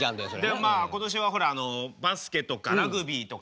でもまあ今年はほらあのバスケとかラグビーとかね